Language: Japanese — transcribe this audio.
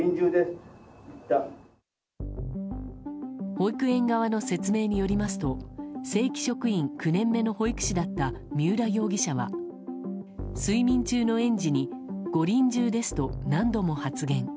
保育園側の説明によりますと正規職員９年目の保育士だった三浦容疑者は睡眠中の園児にご臨終ですと何度も発言。